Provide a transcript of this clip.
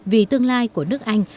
vì tương lai của nước anh